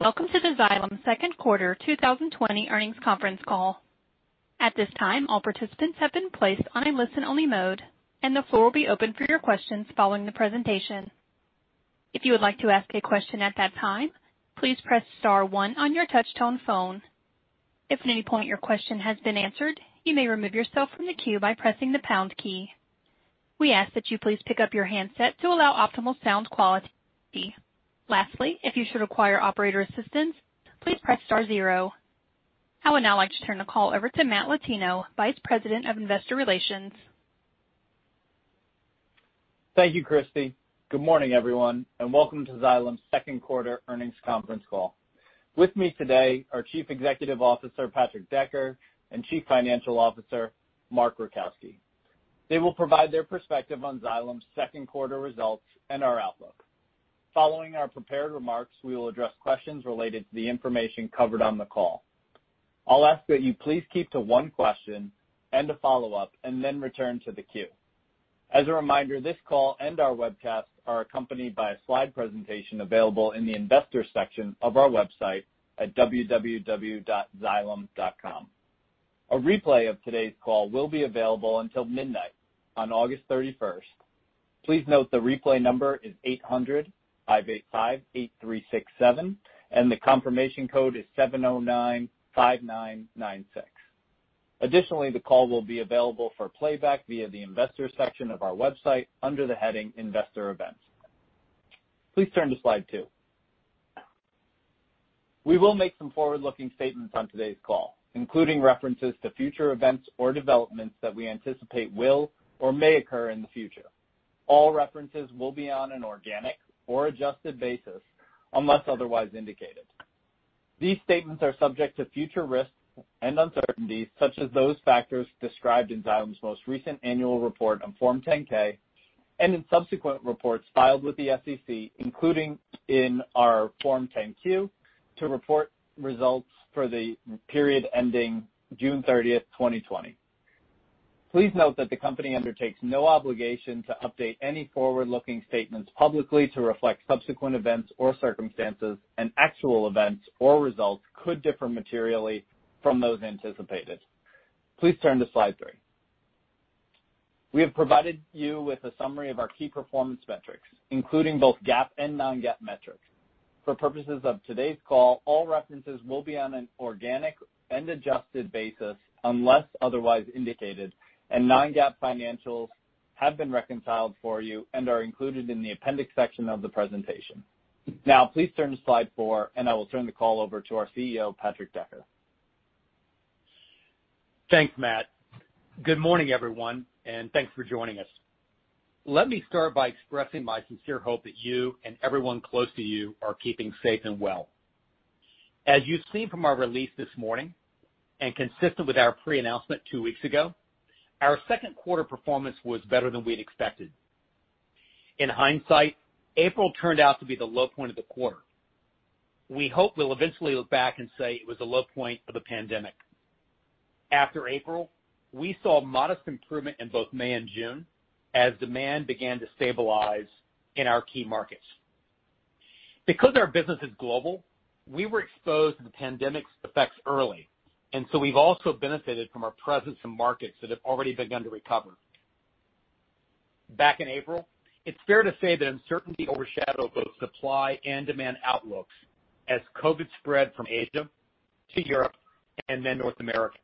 Welcome to the Xylem Second Quarter 2020 Earnings Conference Call. At this time, all participants have been placed on listen-only mode, and the floor will be open for your questions following the presentation. If you would like to ask a question at that time, please press star one on your touch-tone phone. If at any point your question has been answered, you may remove yourself from the queue by pressing the pound key. We ask that you please pick up your handset to allow optimal sound quality. Lastly, if you should require operator assistance, please press star zero. I would now like to turn the call over to Matt Latino, Vice President of Investor Relations. Thank you, Christy. Good morning, everyone, and welcome to Xylem's second quarter earnings conference call. With me today are Chief Executive Officer, Patrick Decker, and Chief Financial Officer, Mark Rajkowski. They will provide their perspective on Xylem's second quarter results and our outlook. Following our prepared remarks, we will address questions related to the information covered on the call. I'll ask that you please keep to one question and a follow-up, and then return to the queue. As a reminder, this call and our webcast are accompanied by a slide presentation available in the Investors section of our website at www.xylem.com. A replay of today's call will be available until midnight on August 31st. Please note the replay number is 800-585-8367 and the confirmation code is 7095996. Additionally, the call will be available for playback via the Investors section of our website under the heading Investor Events. Please turn to slide two. We will make some forward-looking statements on today's call, including references to future events or developments that we anticipate will or may occur in the future. All references will be on an organic or adjusted basis unless otherwise indicated. These statements are subject to future risks and uncertainties, such as those factors described in Xylem's most recent annual report on Form 10-K and in subsequent reports filed with the SEC, including in our Form 10-Q to report results for the period ending June 30th, 2020. Please note that the company undertakes no obligation to update any forward-looking statements publicly to reflect subsequent events or circumstances, and actual events or results could differ materially from those anticipated. Please turn to slide three. We have provided you with a summary of our key performance metrics, including both GAAP and non-GAAP metrics. For purposes of today's call, all references will be on an organic and adjusted basis unless otherwise indicated, and non-GAAP financials have been reconciled for you and are included in the appendix section of the presentation. Now, please turn to slide four, and I will turn the call over to our CEO, Patrick Decker. Thanks, Matt. Good morning, everyone, and thanks for joining us. Let me start by expressing my sincere hope that you and everyone close to you are keeping safe and well. As you've seen from our release this morning, and consistent with our pre-announcement two weeks ago, our second quarter performance was better than we'd expected. In hindsight, April turned out to be the low point of the quarter. We hope we'll eventually look back and say it was the low point of the pandemic. After April, we saw modest improvement in both May and June as demand began to stabilize in our key markets. Because our business is global, we were exposed to the pandemic's effects early, and so we've also benefited from our presence in markets that have already begun to recover. Back in April, it's fair to say that uncertainty overshadowed both supply and demand outlooks as COVID spread from Asia to Europe and then North America.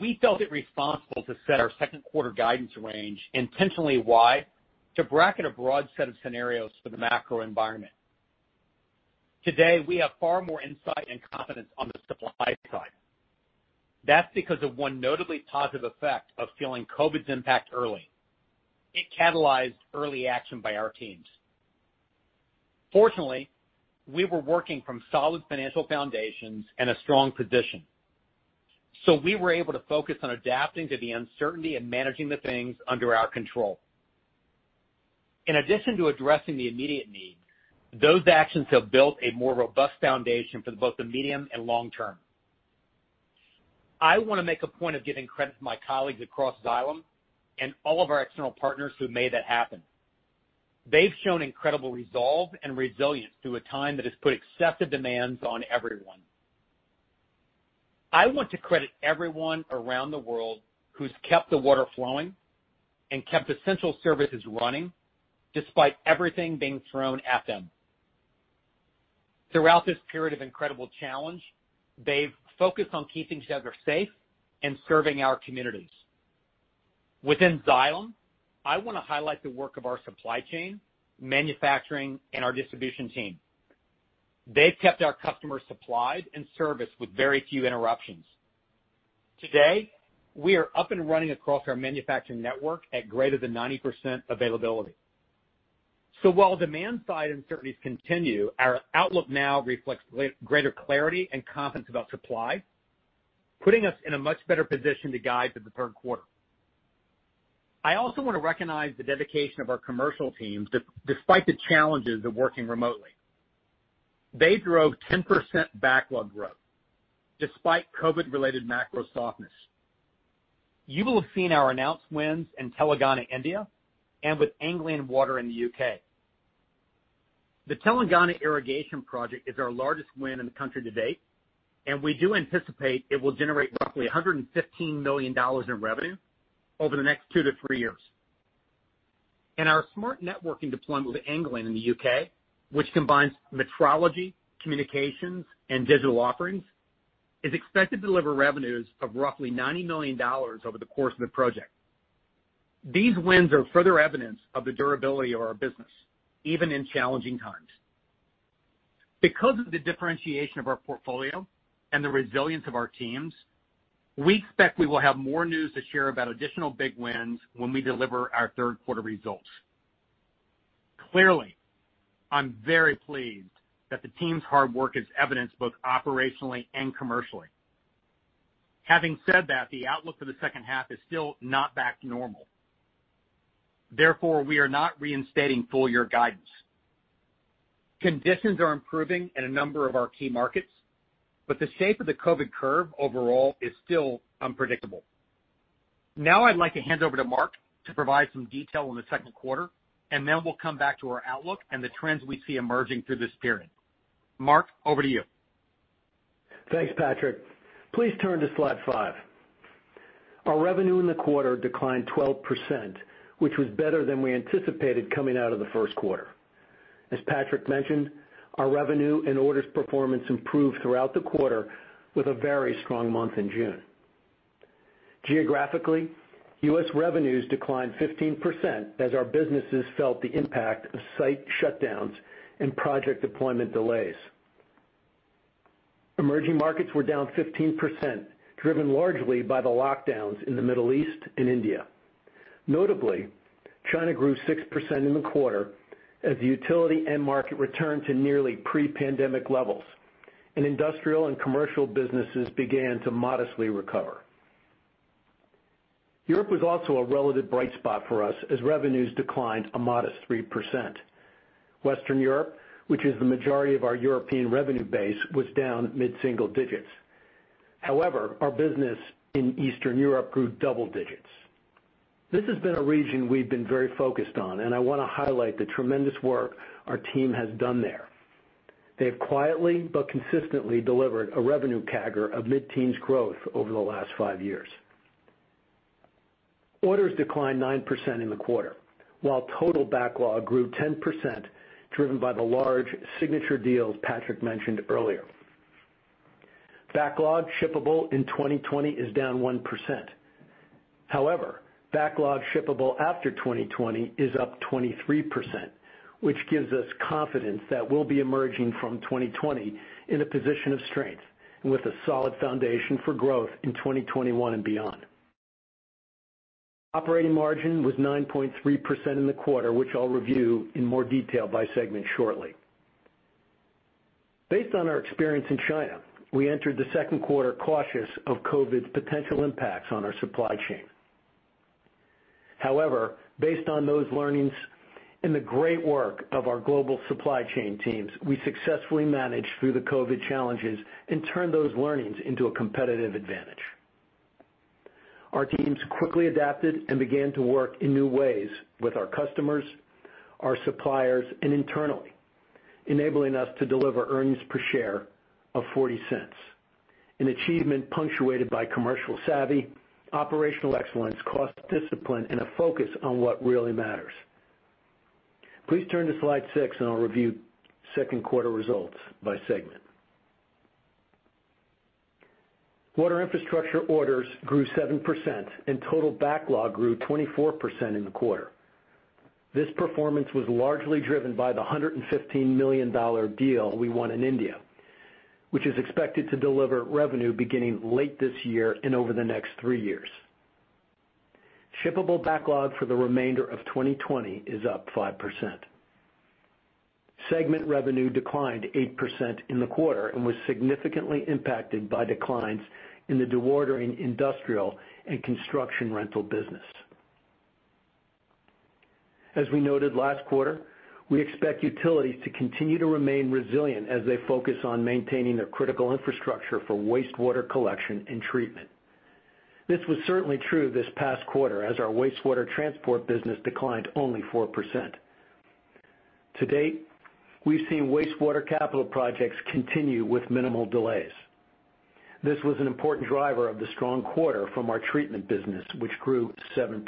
We felt it responsible to set our second quarter guidance range intentionally wide to bracket a broad set of scenarios for the macro environment. Today, we have far more insight and confidence on the supply side. That's because of one notably positive effect of feeling COVID's impact early. It catalyzed early action by our teams. Fortunately, we were working from solid financial foundations and a strong position, so we were able to focus on adapting to the uncertainty and managing the things under our control. In addition to addressing the immediate needs, those actions have built a more robust foundation for both the medium and long term. I want to make a point of giving credit to my colleagues across Xylem and all of our external partners who made that happen. They've shown incredible resolve and resilience through a time that has put excessive demands on everyone. I want to credit everyone around the world who's kept the water flowing and kept essential services running despite everything being thrown at them. Throughout this period of incredible challenge, they've focused on keeping each other safe and serving our communities. Within Xylem, I want to highlight the work of our supply chain, manufacturing, and our distribution team. They've kept our customers supplied and serviced with very few interruptions. Today, we are up and running across our manufacturing network at greater than 90% availability. While demand-side uncertainties continue, our outlook now reflects greater clarity and confidence about supply, putting us in a much better position to guide through the third quarter. I also want to recognize the dedication of our commercial teams despite the challenges of working remotely. They drove 10% backlog growth despite COVID-related macro softness. You will have seen our announced wins in Telangana, India, and with Anglian Water in the U.K. The Telangana Irrigation Project is our largest win in the country to date, and we do anticipate it will generate roughly $115 million in revenue over the next two to three years. In our smart networking deployment with Anglian in the U.K., which combines metrology, communications, and digital offerings, is expected to deliver revenues of roughly $90 million over the course of the project. These wins are further evidence of the durability of our business, even in challenging times. Because of the differentiation of our portfolio and the resilience of our teams, we expect we will have more news to share about additional big wins when we deliver our third-quarter results. Clearly, I'm very pleased that the team's hard work is evidenced both operationally and commercially. Having said that, the outlook for the second half is still not back to normal. Therefore, we are not reinstating full-year guidance. Conditions are improving in a number of our key markets, but the shape of the COVID curve overall is still unpredictable. I'd like to hand over to Mark to provide some detail on the second quarter, and then we'll come back to our outlook and the trends we see emerging through this period. Mark, over to you. Thanks, Patrick. Please turn to slide five. Our revenue in the quarter declined 12%, which was better than we anticipated coming out of the first quarter. As Patrick mentioned, our revenue and orders performance improved throughout the quarter with a very strong month in June. Geographically, U.S. revenues declined 15% as our businesses felt the impact of site shutdowns and project deployment delays. Emerging markets were down 15%, driven largely by the lockdowns in the Middle East and India. Notably, China grew 6% in the quarter as the utility end market returned to nearly pre-pandemic levels, and industrial and commercial businesses began to modestly recover. Europe was also a relative bright spot for us as revenues declined a modest 3%. Western Europe, which is the majority of our European revenue base, was down mid-single digits. However, our business in Eastern Europe grew double digits. This has been a region we've been very focused on, and I want to highlight the tremendous work our team has done there. They have quietly but consistently delivered a revenue CAGR of mid-teens growth over the last five years. Orders declined 9% in the quarter, while total backlog grew 10%, driven by the large signature deals Patrick mentioned earlier. Backlog shippable in 2020 is down 1%. However, backlog shippable after 2020 is up 23%, which gives us confidence that we'll be emerging from 2020 in a position of strength and with a solid foundation for growth in 2021 and beyond. Operating margin was 9.3% in the quarter, which I'll review in more detail by segment shortly. Based on our experience in China, we entered the second quarter cautious of COVID's potential impacts on our supply chain. However, based on those learnings and the great work of our global supply chain teams, we successfully managed through the COVID challenges and turned those learnings into a competitive advantage. Our teams quickly adapted and began to work in new ways with our customers, our suppliers, and internally, enabling us to deliver earnings per share of $0.40, an achievement punctuated by commercial savvy, operational excellence, cost discipline, and a focus on what really matters. Please turn to slide six, and I'll review second quarter results by segment. Water Infrastructure orders grew 7%, and total backlog grew 24% in the quarter. This performance was largely driven by the $115 million deal we won in India, which is expected to deliver revenue beginning late this year and over the next three years. Shippable backlog for the remainder of 2020 is up 5%. Segment revenue declined 8% in the quarter and was significantly impacted by declines in the dewatering, industrial, and construction rental business. As we noted last quarter, we expect utilities to continue to remain resilient as they focus on maintaining their critical infrastructure for wastewater collection and treatment. This was certainly true this past quarter as our wastewater transport business declined only 4%. To date, we've seen wastewater capital projects continue with minimal delays. This was an important driver of the strong quarter from our treatment business, which grew 7%.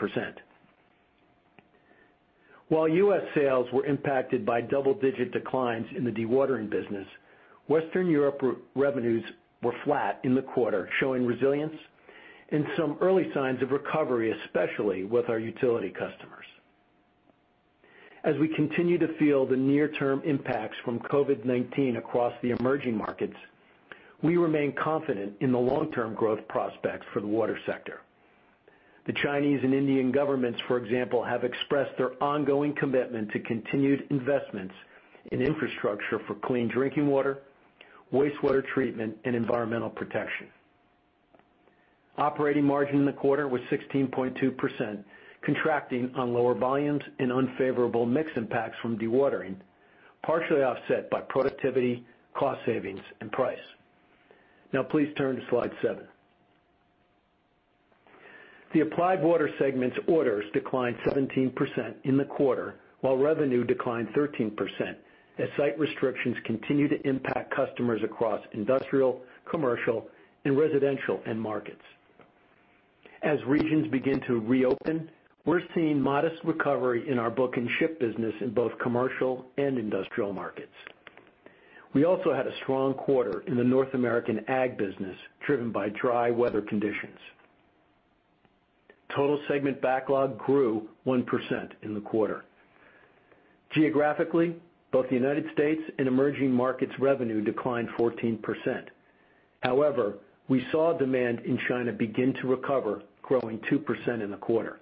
While U.S. sales were impacted by double-digit declines in the dewatering business, Western Europe revenues were flat in the quarter, showing resilience and some early signs of recovery, especially with our utility customers. As we continue to feel the near-term impacts from COVID-19 across the emerging markets, we remain confident in the long-term growth prospects for the water sector. The Chinese and Indian governments, for example, have expressed their ongoing commitment to continued investments in infrastructure for clean drinking water, wastewater treatment, and environmental protection. Operating margin in the quarter was 16.2%, contracting on lower volumes and unfavorable mix impacts from dewatering, partially offset by productivity, cost savings, and price. Now please turn to slide seven. The Applied Water segment's orders declined 17% in the quarter, while revenue declined 13%, as site restrictions continue to impact customers across industrial, commercial, and residential end markets. As regions begin to reopen, we're seeing modest recovery in our book and ship business in both commercial and industrial markets. We also had a strong quarter in the North American ag business, driven by dry weather conditions. Total segment backlog grew 1% in the quarter. Geographically, both the United States and emerging markets revenue declined 14%. We saw demand in China begin to recover, growing 2% in the quarter.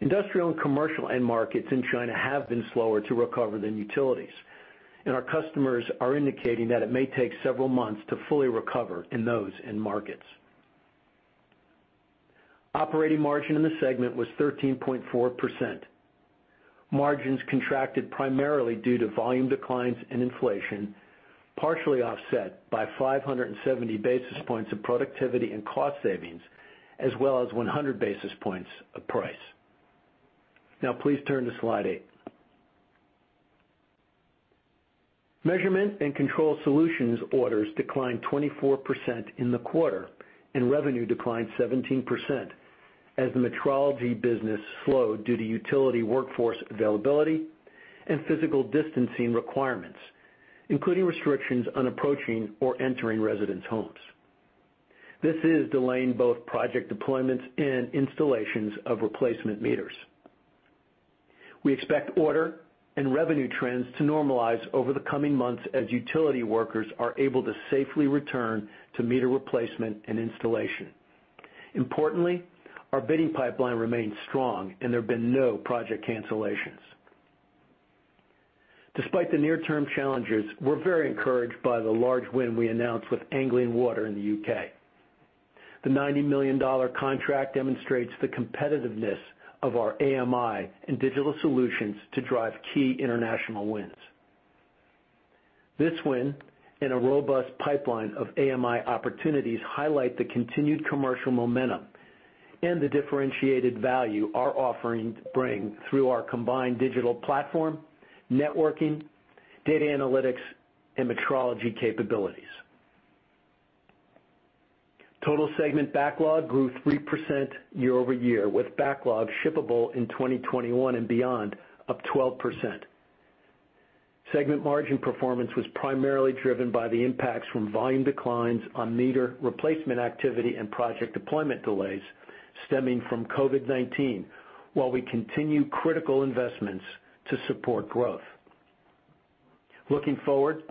Industrial and commercial end markets in China have been slower to recover than utilities, and our customers are indicating that it may take several months to fully recover in those end markets. Operating margin in the segment was 13.4%. Margins contracted primarily due to volume declines and inflation, partially offset by 570 basis points of productivity and cost savings, as well as 100 basis points of price. Please turn to slide eight. Measurement & Control Solutions orders declined 24% in the quarter, and revenue declined 17%, as the metrology business slowed due to utility workforce availability and physical distancing requirements, including restrictions on approaching or entering residents' homes. This is delaying both project deployments and installations of replacement meters. We expect order and revenue trends to normalize over the coming months as utility workers are able to safely return to meter replacement and installation. Importantly, our bidding pipeline remains strong, and there have been no project cancellations. Despite the near-term challenges, we're very encouraged by the large win we announced with Anglian Water in the U.K. The $90 million contract demonstrates the competitiveness of our AMI and digital solutions to drive key international wins. This win and a robust pipeline of AMI opportunities highlight the continued commercial momentum and the differentiated value our offerings bring through our combined digital platform, networking, data analytics, and metrology capabilities. Total segment backlog grew 3% year-over-year, with backlog shippable in 2021 and beyond up 12%. Segment margin performance was primarily driven by the impacts from volume declines on meter replacement activity and project deployment delays stemming from COVID-19, while we continue critical investments to support growth. Looking forward,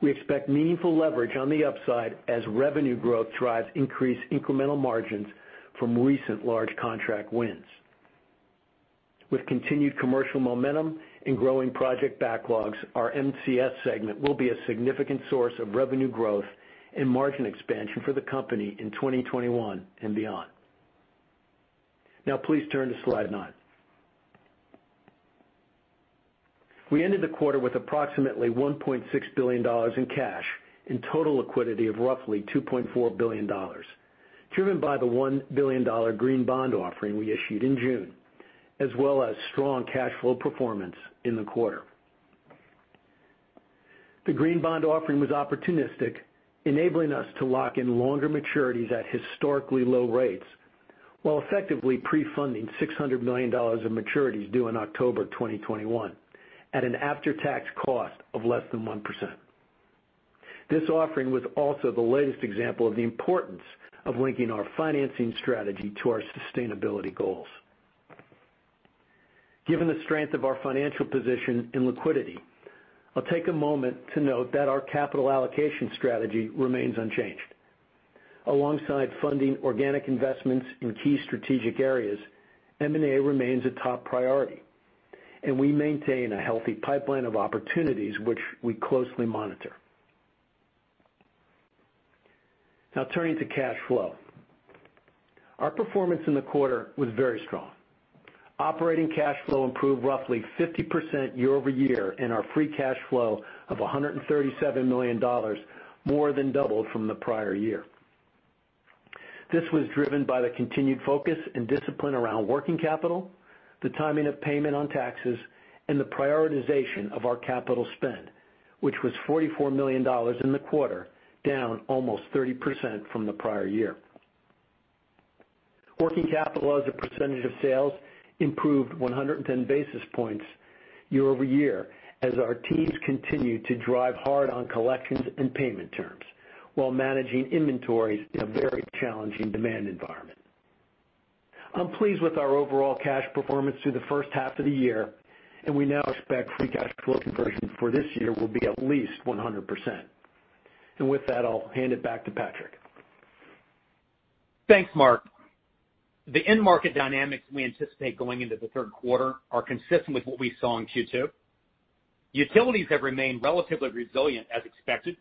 we expect meaningful leverage on the upside as revenue growth drives increased incremental margins from recent large contract wins. With continued commercial momentum and growing project backlogs, our MCS segment will be a significant source of revenue growth and margin expansion for the company in 2021 and beyond. Now please turn to slide nine. We ended the quarter with approximately $1.6 billion in cash and total liquidity of roughly $2.4 billion, driven by the $1 billion green bond offering we issued in June, as well as strong cash flow performance in the quarter. The green bond offering was opportunistic, enabling us to lock in longer maturities at historically low rates, while effectively pre-funding $600 million of maturities due in October 2021 at an after-tax cost of less than 1%. This offering was also the latest example of the importance of linking our financing strategy to our sustainability goals. Given the strength of our financial position and liquidity, I'll take a moment to note that our capital allocation strategy remains unchanged. Alongside funding organic investments in key strategic areas, M&A remains a top priority, and we maintain a healthy pipeline of opportunities, which we closely monitor. Turning to cash flow. Our performance in the quarter was very strong. Operating cash flow improved roughly 50% year-over-year, and our free cash flow of $137 million more than doubled from the prior year. This was driven by the continued focus and discipline around working capital, the timing of payment on taxes, and the prioritization of our capital spend, which was $44 million in the quarter, down almost 30% from the prior year. Working capital as a percentage of sales improved 110 basis points year-over-year as our teams continue to drive hard on collections and payment terms while managing inventories in a very challenging demand environment. I'm pleased with our overall cash performance through the first half of the year. We now expect free cash flow conversion for this year will be at least 100%. With that, I'll hand it back to Patrick. Thanks, Mark. The end market dynamics we anticipate going into the third quarter are consistent with what we saw in Q2. Utilities have remained relatively resilient, as expected.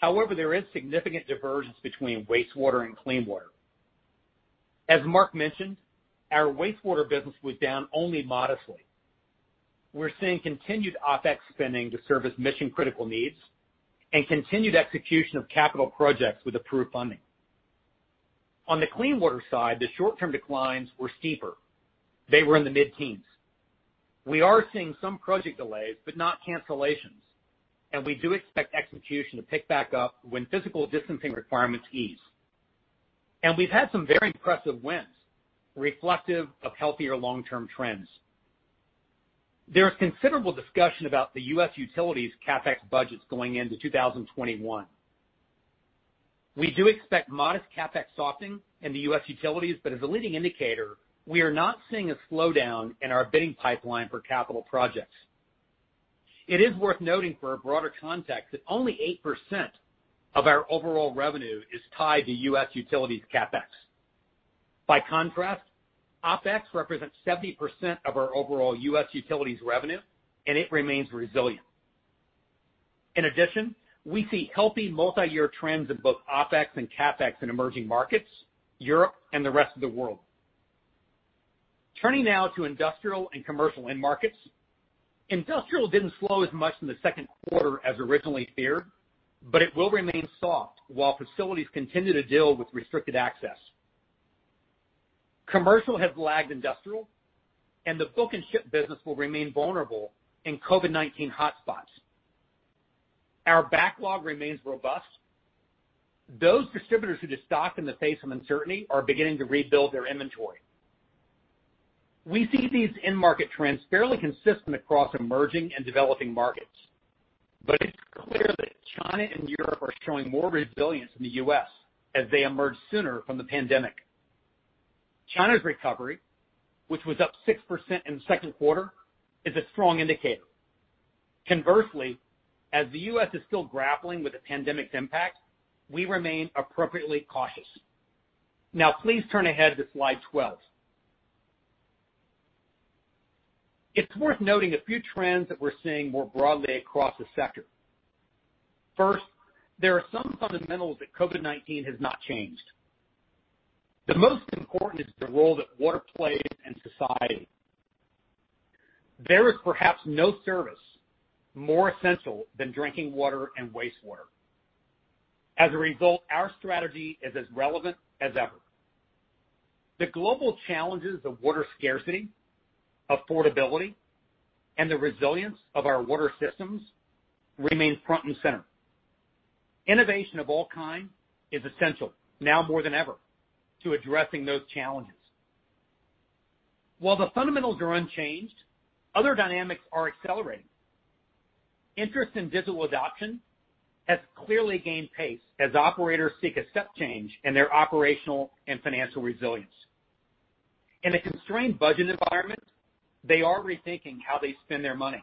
There is significant divergence between wastewater and clean water. As Mark mentioned, our wastewater business was down only modestly. We're seeing continued OpEx spending to serve as mission-critical needs and continued execution of capital projects with approved funding. On the clean water side, the short-term declines were steeper. They were in the mid-teens. We are seeing some project delays, but not cancellations, and we do expect execution to pick back up when physical distancing requirements ease. We've had some very impressive wins reflective of healthier long-term trends. There is considerable discussion about the U.S. utilities CapEx budgets going into 2021. We do expect modest CapEx softening in the U.S. utilities, but as a leading indicator, we are not seeing a slowdown in our bidding pipeline for capital projects. It is worth noting for a broader context that only 8% of our overall revenue is tied to U.S. utilities CapEx. By contrast, OpEx represents 70% of our overall U.S. utilities revenue, and it remains resilient. In addition, we see healthy multi-year trends in both OpEx and CapEx in emerging markets, Europe, and the rest of the world. Turning now to industrial and commercial end markets. Industrial didn't slow as much in the second quarter as originally feared, but it will remain soft while facilities continue to deal with restricted access. Commercial has lagged industrial, and the book and ship business will remain vulnerable in COVID-19 hotspots. Our backlog remains robust. Those distributors who de-stocked in the face of uncertainty are beginning to rebuild their inventory. We see these end-market trends fairly consistent across emerging and developing markets, but it's clear that China and Europe are showing more resilience than the U.S. as they emerge sooner from the pandemic. China's recovery, which was up 6% in the second quarter, is a strong indicator. Conversely, as the U.S. is still grappling with the pandemic's impact, we remain appropriately cautious. Now please turn ahead to slide 12. It's worth noting a few trends that we're seeing more broadly across the sector. First, there are some fundamentals that COVID-19 has not changed. The most important is the role that water plays in society. There is perhaps no service more essential than drinking water and wastewater. As a result, our strategy is as relevant as ever. The global challenges of water scarcity, affordability, and the resilience of our water systems remain front and center. Innovation of all kind is essential now more than ever to addressing those challenges. While the fundamentals are unchanged, other dynamics are accelerating. Interest in digital adoption has clearly gained pace as operators seek a step change in their operational and financial resilience. In a constrained budget environment, they are rethinking how they spend their money.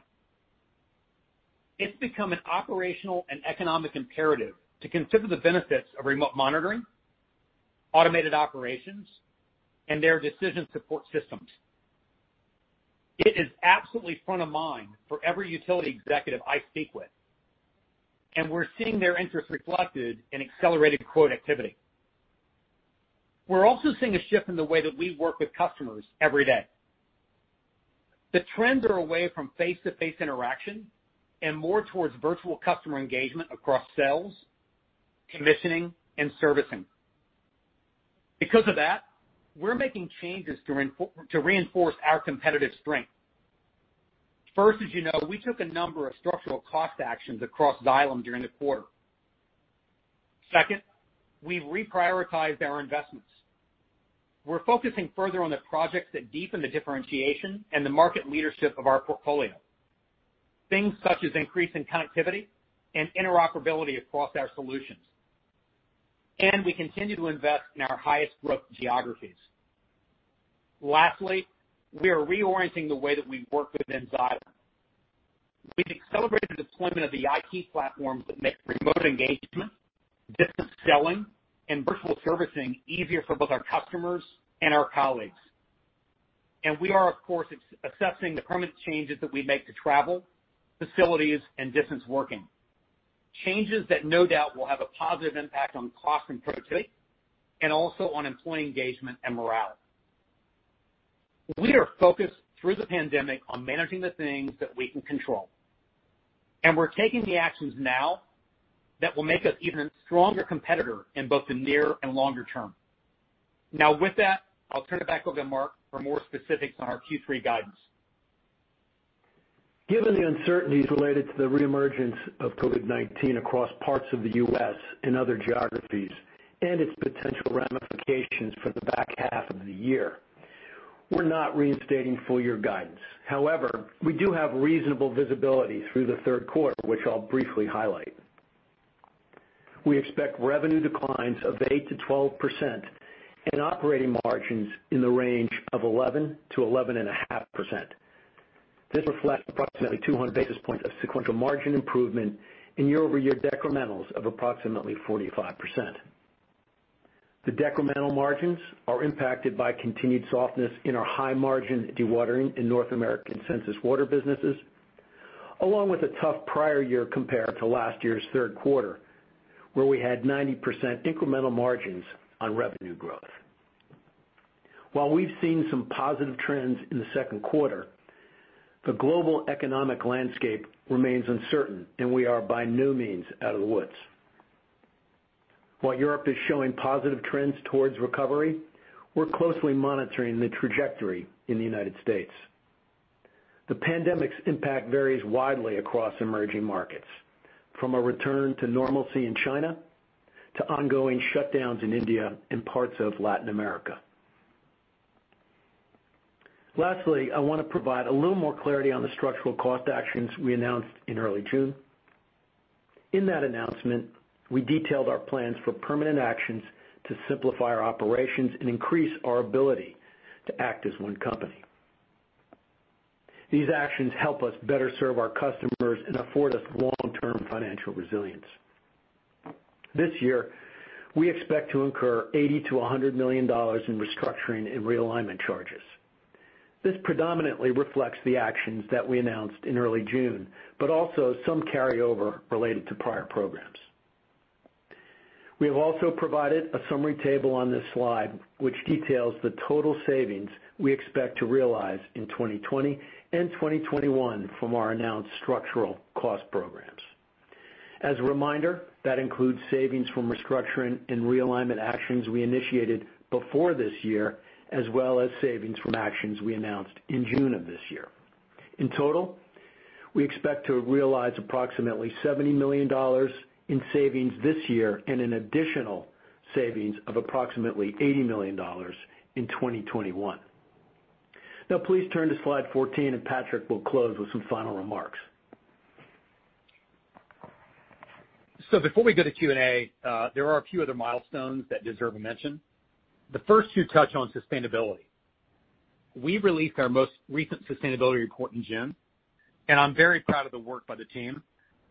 It's become an operational and economic imperative to consider the benefits of remote monitoring, automated operations, and their decision support systems. It is absolutely front of mind for every utility executive I speak with, and we're seeing their interest reflected in accelerated quote activity. We're also seeing a shift in the way that we work with customers every day. The trends are away from face-to-face interaction and more towards virtual customer engagement across sales, commissioning, and servicing. Because of that, we're making changes to reinforce our competitive strength. First, as you know, we took a number of structural cost actions across Xylem during the quarter. Second, we reprioritized our investments. We're focusing further on the projects that deepen the differentiation and the market leadership of our portfolio. Things such as increase in connectivity and interoperability across our solutions. We continue to invest in our highest growth geographies. Lastly, we are reorienting the way that we work within Xylem. We've accelerated the deployment of the IT platforms that make remote engagement, distance selling, and virtual servicing easier for both our customers and our colleagues. We are, of course, assessing the permanent changes that we make to travel, facilities, and distance working. Changes that no doubt will have a positive impact on cost and productivity and also on employee engagement and morale. We are focused through the pandemic on managing the things that we can control, and we're taking the actions now that will make us an even stronger competitor in both the near and longer term. With that, I'll turn it back over to Mark for more specifics on our Q3 guidance. Given the uncertainties related to the reemergence of COVID-19 across parts of the U.S. and other geographies, and its potential ramifications for the back half of the year, we're not reinstating full-year guidance. However, we do have reasonable visibility through the third quarter, which I'll briefly highlight. We expect revenue declines of 8%-12% and operating margins in the range of 11%-11.5%. This reflects approximately 200 basis points of sequential margin improvement and year-over-year decrementals of approximately 45%. The decremental margins are impacted by continued softness in our high-margin dewatering in North American Clean Water businesses along with a tough prior year compared to last year's third quarter, where we had 90% incremental margins on revenue growth. While we've seen some positive trends in the second quarter, the global economic landscape remains uncertain, and we are by no means out of the woods. While Europe is showing positive trends towards recovery, we're closely monitoring the trajectory in the U.S. The pandemic's impact varies widely across emerging markets, from a return to normalcy in China to ongoing shutdowns in India and parts of Latin America. Lastly, I want to provide a little more clarity on the structural cost actions we announced in early June. In that announcement, we detailed our plans for permanent actions to simplify our operations and increase our ability to act as one company. These actions help us better serve our customers and afford us long-term financial resilience. This year, we expect to incur $80 million-$100 million in restructuring and realignment charges. This predominantly reflects the actions that we announced in early June, but also some carryover related to prior programs. We have also provided a summary table on this slide, which details the total savings we expect to realize in 2020 and 2021 from our announced structural cost programs. As a reminder, that includes savings from restructuring and realignment actions we initiated before this year, as well as savings from actions we announced in June of this year. In total, we expect to realize approximately $70 million in savings this year and an additional savings of approximately $80 million in 2021. Now please turn to slide 14, and Patrick will close with some final remarks. Before we go to Q&A, there are a few other milestones that deserve a mention. The first two touch on sustainability. We released our most recent sustainability report in June, and I'm very proud of the work by the team,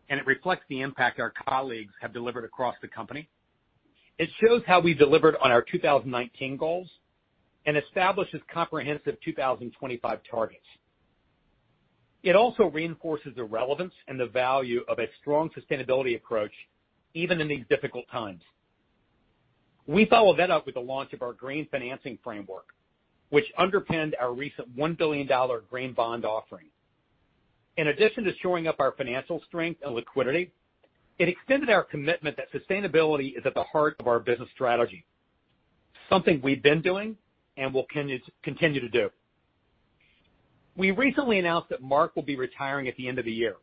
and it reflects the impact our colleagues have delivered across the company. It shows how we delivered on our 2019 goals and establishes comprehensive 2025 targets. It also reinforces the relevance and the value of a strong sustainability approach, even in these difficult times. We followed that up with the launch of our Green Financing Framework, which underpinned our recent $1 billion Green Bond Offering. In addition to showing off our financial strength and liquidity, it extended our commitment that sustainability is at the heart of our business strategy. Something we've been doing and will continue to do. We recently announced that Mark will be retiring at the end of the year.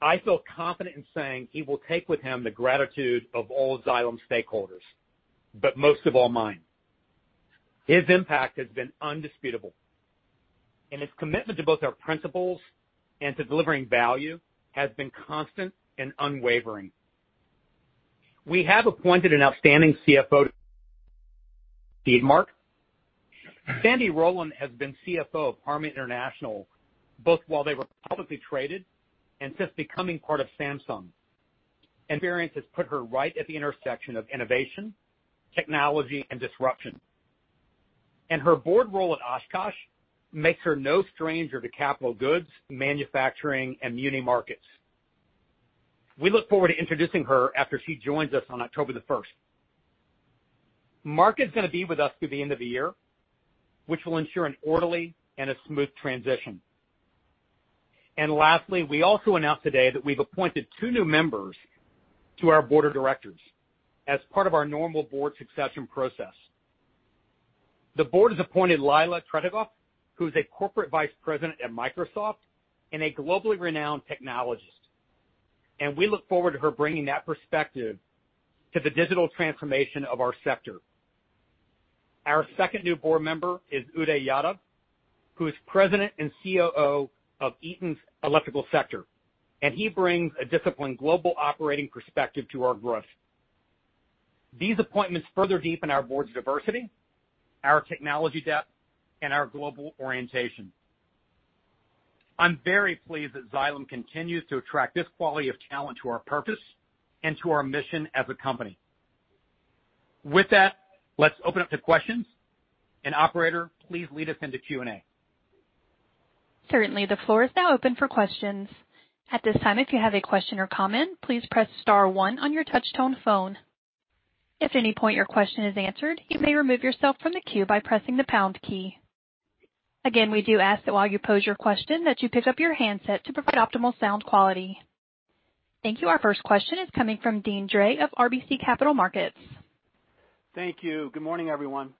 I feel confident in saying he will take with him the gratitude of all Xylem stakeholders, but most of all, mine. His impact has been indisputable, his commitment to both our principles and to delivering value has been constant and unwavering. We have appointed an outstanding CFO to lead Mark. Sandy Rowland has been CFO of Harman International both while they were publicly traded and since becoming part of Samsung. Her experience has put her right at the intersection of innovation, technology, and disruption. Her board role at Oshkosh makes her no stranger to capital goods, manufacturing, and muni markets. We look forward to introducing her after she joins us on October the 1st. Mark is going to be with us through the end of the year, which will ensure an orderly and a smooth transition. Lastly, we also announced today that we've appointed two new members to our board of directors as part of our normal board succession process. The board has appointed Lila Tretikov, who's a Corporate Vice President at Microsoft and a globally renowned technologist. We look forward to her bringing that perspective to the digital transformation of our sector. Our second new board member is Uday Yadav, who is President and COO of Eaton's Electrical Sector, and he brings a disciplined global operating perspective to our growth. These appointments further deepen our board's diversity, our technology depth, and our global orientation. I'm very pleased that Xylem continues to attract this quality of talent to our purpose and to our mission as a company. With that, let's open up to questions. Operator, please lead us into Q&A. Certainly. The floor is now open for questions. At this time, if you have a question or comment, please press star one on your touch-tone phone. If at any point your question is answered, you may remove yourself from the queue by pressing the pound key. Again, we do ask that while you pose your question, that you pick up your handset to provide optimal sound quality. Thank you. Our first question is coming from Deane Dray of RBC Capital Markets. Thank you. Good morning, everyone.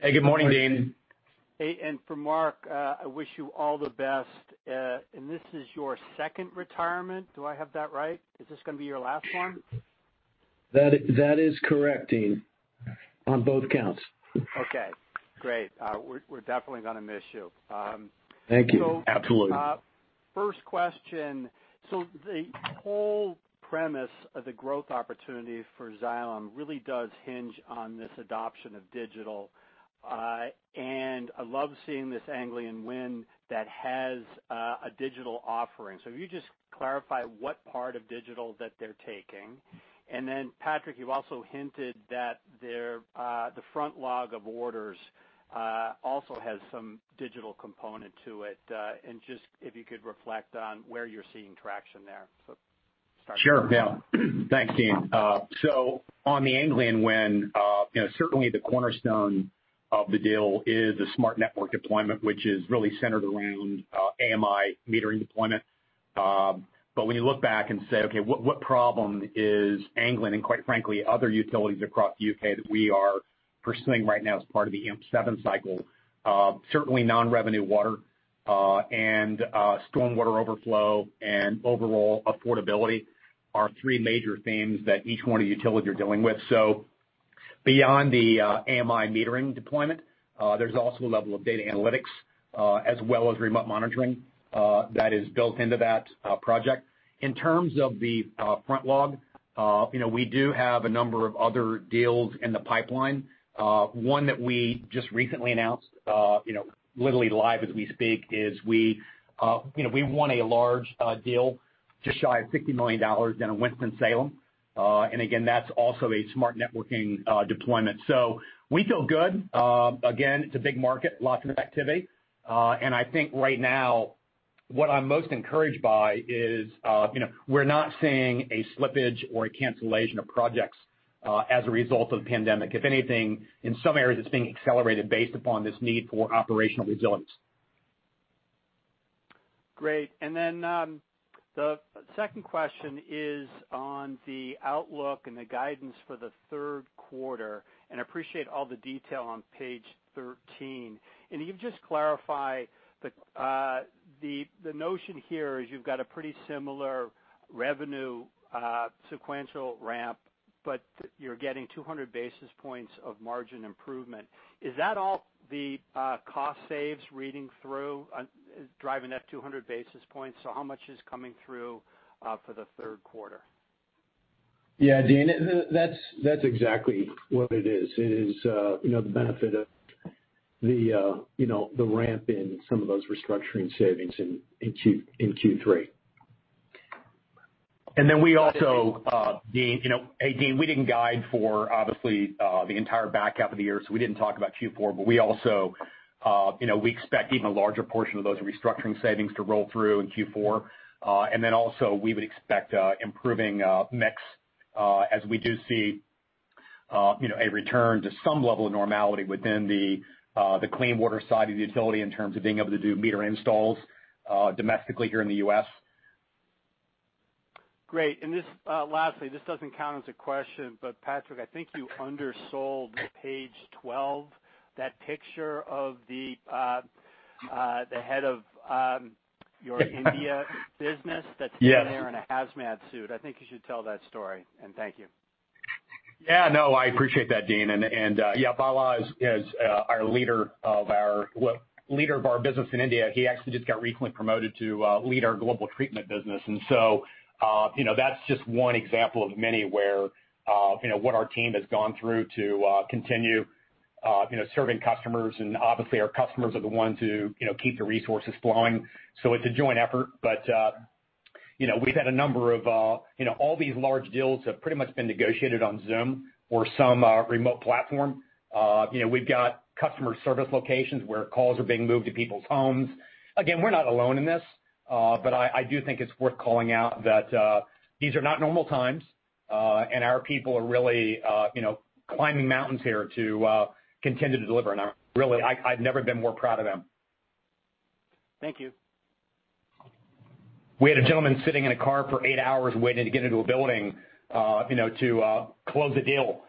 Hey, good morning, Deane. Hey, for Mark, I wish you all the best. This is your second retirement. Do I have that right? Is this going to be your last one? That is correct, Deane, on both counts. Okay, great. We're definitely going to miss you. Thank you. Absolutely. First question. The whole premise of the growth opportunity for Xylem really does hinge on this adoption of digital. I love seeing this Anglian win that has a digital offering. If you could just clarify what part of digital that they're taking. Patrick, you also hinted that the Frontlog of orders also has some digital component to it. If you could reflect on where you're seeing traction there. Sure. Yeah. Thanks, Deane. On the Anglian win, certainly the cornerstone of the deal is the smart network deployment, which is really centered around AMI metering deployment. When you look back and say, okay, what problem is Anglian and quite frankly, other utilities across the U.K. that we are pursuing right now as part of the AMP7 cycle. Certainly non-revenue water, stormwater overflow, and overall affordability are three major themes that each one of the utilities are dealing with. Beyond the AMI metering deployment, there's also a level of data analytics, as well as remote monitoring that is built into that project. In terms of the Frontlog, we do have a number of other deals in the pipeline. One that we just recently announced, literally live as we speak, is we won a large deal just shy of $50 million down in Winston-Salem. Again, that's also a smart networking deployment. We feel good. Again, it's a big market, lots of activity. I think right now what I'm most encouraged by is we're not seeing a slippage or a cancellation of projects as a result of the pandemic. If anything, in some areas, it's being accelerated based upon this need for operational resilience. Great. The second question is on the outlook and the guidance for the third quarter, and appreciate all the detail on page 13. Can you just clarify, the notion here is you've got a pretty similar revenue sequential ramp, but you're getting 200 basis points of margin improvement. Is that all the cost saves reading through, driving that 200 basis points? How much is coming through for the third quarter? Yeah, Deane, that's exactly what it is. It is the benefit of the ramp in some of those restructuring savings in Q3. We also, hey, Deane, we didn't guide for obviously, the entire back half of the year, so we didn't talk about Q4. We also expect even a larger portion of those restructuring savings to roll through in Q4. Also we would expect improving mix, as we do see a return to some level of normality within the clean water side of the utility in terms of being able to do meter installs domestically here in the U.S. Lastly, this doesn't count as a question, but Patrick, I think you undersold page 12, that picture of the head of your India business that's sitting there in a hazmat suit. I think you should tell that story, and thank you. Yeah, no, I appreciate that, Deane. Bala is our leader of our business in India. He actually just got recently promoted to lead our global treatment business. That's just one example of many where what our team has gone through to continue serving customers and obviously our customers are the ones who keep the resources flowing. It's a joint effort. All these large deals have pretty much been negotiated on Zoom or some remote platform. We've got customer service locations where calls are being moved to people's homes. Again, we're not alone in this. I do think it's worth calling out that these are not normal times, and our people are really climbing mountains here to continue to deliver. Really, I've never been more proud of them. Thank you. We had a gentleman sitting in a car for eight hours waiting to get into a building to close a deal.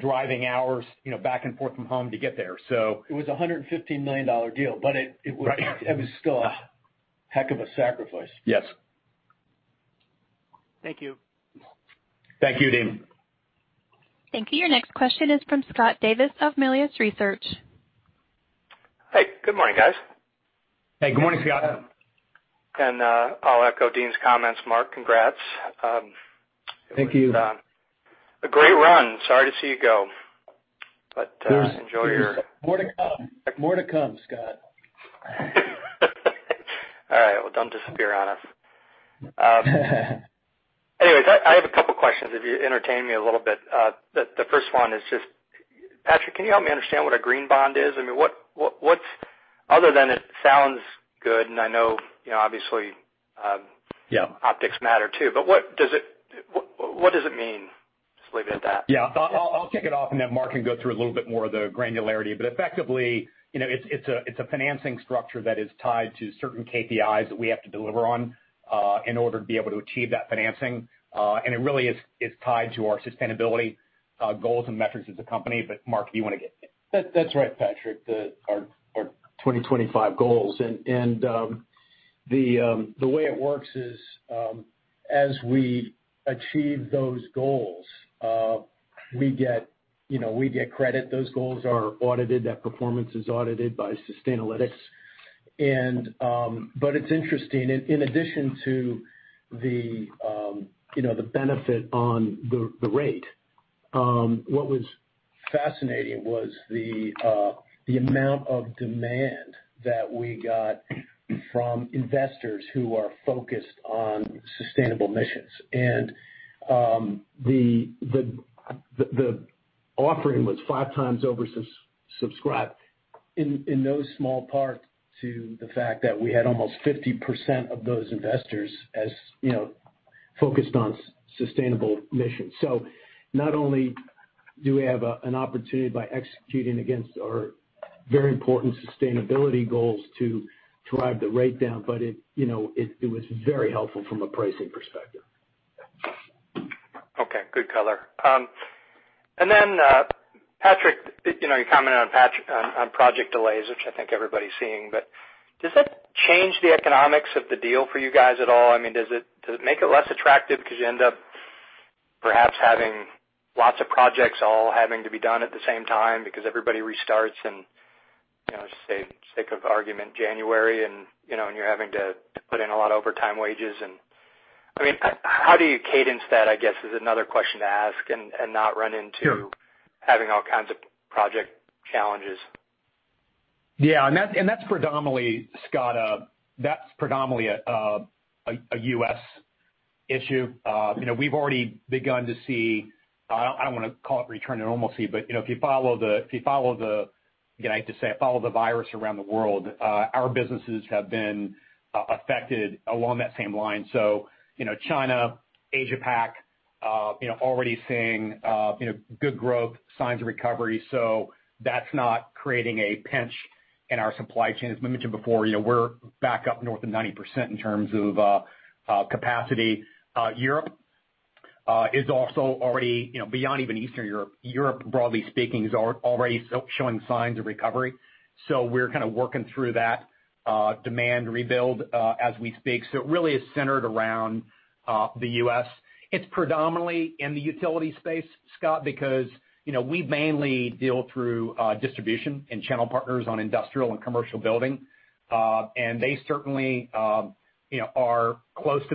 Driving hours back and forth from home to get there. It was a $115 million deal still a heck of a sacrifice. Yes. Thank you. Thank you, Deane. Thank you. Your next question is from Scott Davis of Melius Research. Hey, good morning, guys. Hey, good morning, Scott. I'll echo Deane's comments, Mark. Congrats. Thank you. A great run. Sorry to see you go. enjoy your- There's more to come, Scott. All right. Well, don't disappear on us. I have a couple questions if you entertain me a little bit. The first one is just, Patrick, can you help me understand what a green bond is? I mean, what, other than it sounds good, and I know obviously optics matter too, but what does it mean? Just leave it at that. Yeah. I'll kick it off, and then Mark can go through a little bit more of the granularity. Effectively, it's a financing structure that is tied to certain KPIs that we have to deliver on in order to be able to achieve that financing. It really is tied to our sustainability goals and metrics as a company. Mark, do you want to get- That's right, Patrick, our 2025 goals and the way it works is as we achieve those goals, we get credit. Those goals are audited. That performance is audited by Sustainalytics. It's interesting. In addition to the benefit on the rate, what was fascinating was the amount of demand that we got from investors who are focused on sustainable missions. The offering was five times oversubscribed in no small part to the fact that we had almost 50% of those investors as focused on sustainable mission. Not only do we have an opportunity by executing against our very important sustainability goals to drive the rate down, but it was very helpful from a pricing perspective. Okay, good color. Patrick, you commented on project delays, which I think everybody's seeing, does that change the economics of the deal for you guys at all? Does it make it less attractive because you end up perhaps having lots of projects all having to be done at the same time because everybody restarts in, say, sake of argument, January, and you're having to put in a lot of overtime wages. How do you cadence that, I guess, is another question to ask and not run into having all kinds of project challenges. That's predominantly, Scott, a U.S. issue. We've already begun to see, I don't want to call it return to normalcy, but if you follow the, again, I hate to say it, follow the virus around the world, our businesses have been affected along that same line. China, Asia Pac already seeing good growth signs of recovery. That's not creating a pinch in our supply chains. As I mentioned before, we're back up north of 90% in terms of capacity. Europe is also already beyond even Eastern Europe. Europe, broadly speaking, is already showing signs of recovery. We're kind of working through that demand rebuild as we speak. It really is centered around the U.S. It's predominantly in the utility space, Scott, because we mainly deal through distribution and channel partners on industrial and commercial building. They certainly are close to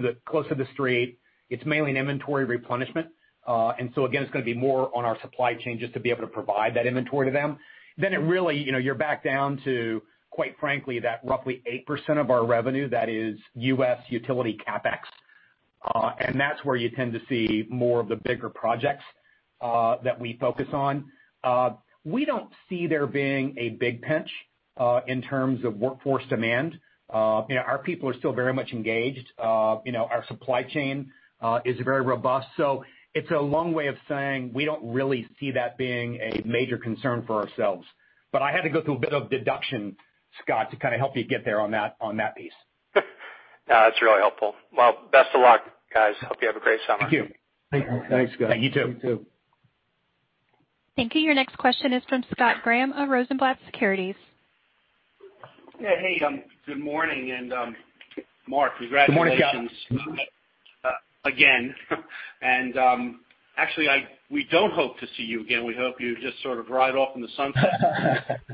the street. It's mainly an inventory replenishment. Again, it's going to be more on our supply chain just to be able to provide that inventory to them. It really, you're back down to, quite frankly, that roughly 8% of our revenue that is U.S. utility CapEx. That's where you tend to see more of the bigger projects that we focus on. We don't see there being a big pinch in terms of workforce demand. Our people are still very much engaged. Our supply chain is very robust. It's a long way of saying we don't really see that being a major concern for ourselves. I had to go through a bit of deduction, Scott, to kind of help you get there on that piece. No, that's really helpful. Well, best of luck, guys. Hope you have a great summer. Thank you. Thank you, Scott. Thank you, too. You, too. Thank you. Your next question is from Scott Graham of Rosenblatt Securities. Yeah, hey. Good morning, and Mark, congratulations. Good morning, Scott. Again. Actually, we don't hope to see you again. We hope you just sort of ride off in the sunset.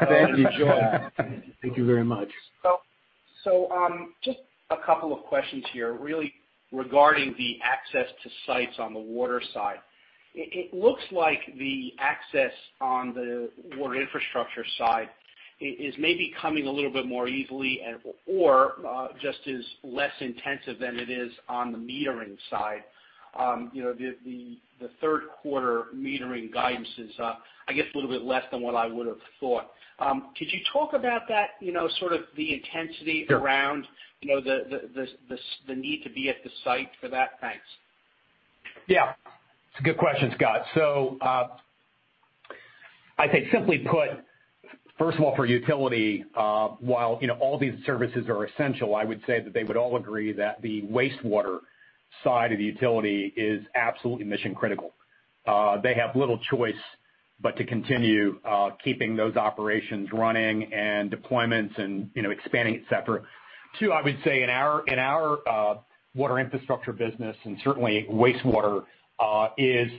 Thank you, Scott. Thank you very much. Just a couple of questions here, really regarding the access to sites on the water side. It looks like the access on the Water Infrastructure side is maybe coming a little bit more easily and/or just is less intensive than it is on the metering side. The third quarter metering guidance is, I guess, a little bit less than what I would've thought. Could you talk about that, sort of the intensity around the need to be at the site for that? Thanks. Yeah. It's a good question, Scott. I'd say simply put, first of all, for utility, while all these services are essential, I would say that they would all agree that the wastewater side of the utility is absolutely mission-critical. They have little choice but to continue keeping those operations running and deployments and expanding, et cetera. Two, I would say in our Water Infrastructure business, and certainly wastewater is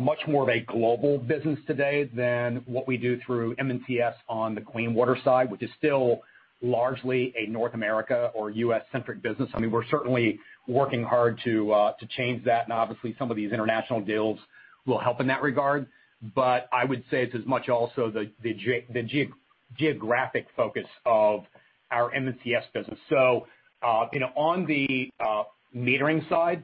much more of a global business today than what we do through MCS on the clean water side, which is still largely a North America or U.S.-centric business. We're certainly working hard to change that, and obviously some of these international deals will help in that regard. I would say it's as much also the geographic focus of our MCS business. On the metering side,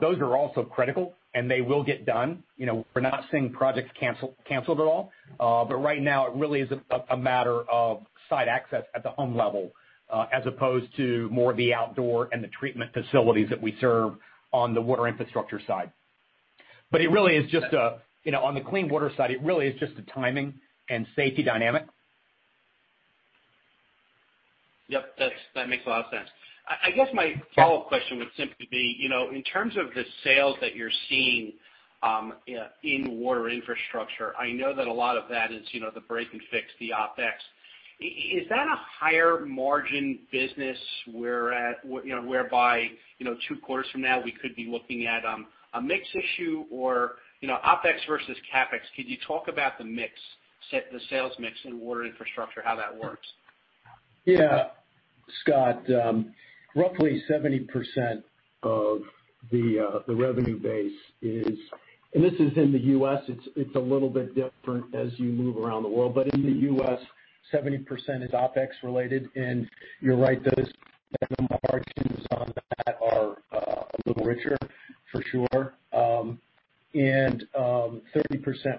those are also critical, and they will get done. We're not seeing projects canceled at all. Right now, it really is a matter of site access at the home level as opposed to more of the outdoor and the treatment facilities that we serve on the Water Infrastructure side. It really is just a, on the Clean Water side, it really is just a timing and safety dynamic. Yep, that makes a lot of sense. I guess my follow-up question would simply be, in terms of the sales that you're seeing in Water Infrastructure, I know that a lot of that is the break and fix, the OpEx. Is that a higher margin business whereby two quarters from now we could be looking at a mix issue, or OpEx versus CapEx? Could you talk about the sales mix in Water Infrastructure, how that works? Yeah. Scott, roughly 70% of the revenue base is, and this is in the U.S., it's a little bit different as you move around the world, but in the U.S., 70% is OpEx related. You're right, those margins on that are a little richer, for sure. 30%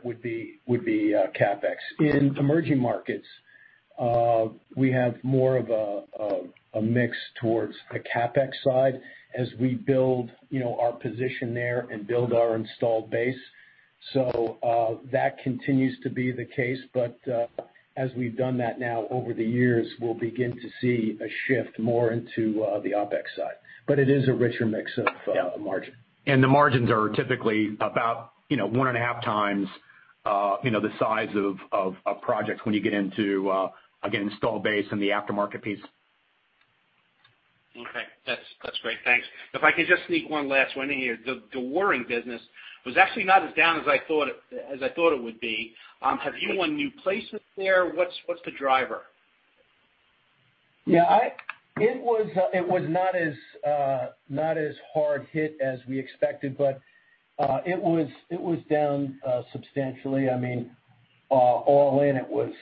would be CapEx. In emerging markets, we have more of a mix towards the CapEx side as we build our position there and build our installed base. That continues to be the case, as we've done that now over the years, we'll begin to see a shift more into the OpEx side. It is a richer mix of margin. The margins are typically about one and a half times the size of projects when you get into, again, installed base and the aftermarket piece. Okay. That's great. Thanks. If I could just sneak one last one in here. The dewatering business was actually not as down as I thought it would be. Have you won new placements there? What's the driver? Yeah. It was not as hard hit as we expected, but it was down substantially. All in, it was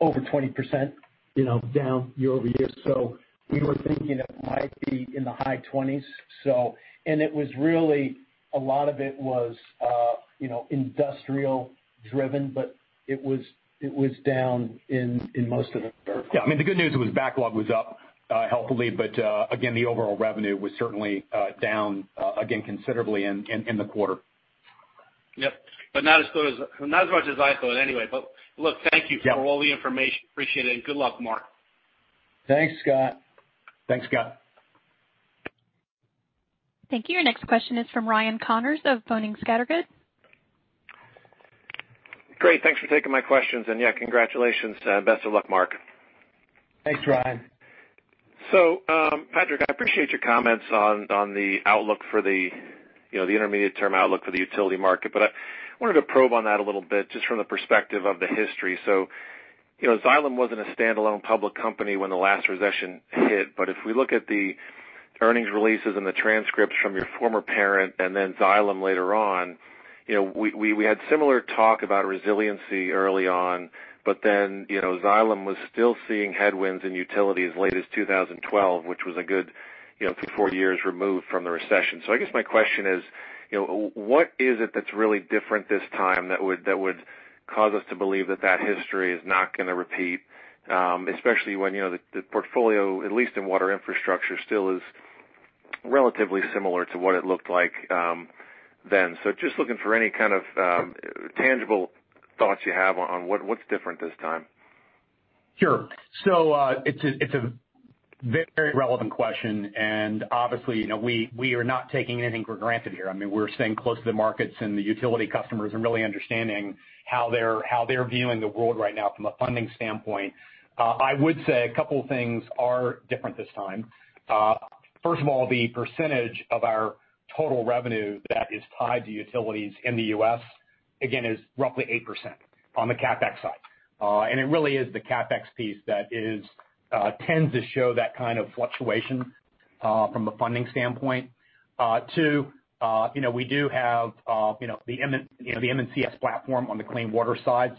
over 20% down year-over-year. We were thinking it might be in the high 20s. A lot of it was industrial-driven, but it was down in most of them. Yeah. The good news was backlog was up helpfully, but again, the overall revenue was certainly down again considerably in the quarter. Yep. Not as much as I thought anyway. Look. Thank you for all the information. Appreciate it, and good luck, Mark. Thanks, Scott. Thanks, Scott. Thank you. Your next question is from Ryan Connors of Boenning & Scattergood. Great. Thanks for taking my questions. Yeah, congratulations. Best of luck, Mark. Thanks, Ryan. Patrick, I appreciate your comments on the intermediate-term outlook for the utility market, but I wanted to probe on that a little bit just from the perspective of the history. Xylem wasn't a standalone public company when the last recession hit, but if we look at the earnings releases and the transcripts from your former parent and then Xylem later on, we had similar talk about resiliency early on. Xylem was still seeing headwinds in utilities as late as 2012, which was a good four years removed from the recession. I guess my question is, what is it that's really different this time that would cause us to believe that that history is not going to repeat, especially when the portfolio, at least in Water Infrastructure, still is relatively similar to what it looked like then. Just looking for any kind of tangible thoughts you have on what's different this time. Sure. It's a very relevant question, and obviously, we're not taking anything for granted here. We're staying close to the markets and the utility customers and really understanding how they're viewing the world right now from a funding standpoint. I would say a couple of things are different this time. First of all, the percentage of our total revenue that is tied to utilities in the U.S., again, is roughly 8% on the CapEx side. It really is the CapEx piece that tends to show that kind of fluctuation from a funding standpoint. Two, we do have the MCS platform on the clean water side.